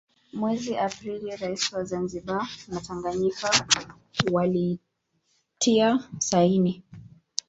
Mwezi Aprili rais wa Zanzibar na Tanganyika walitia saini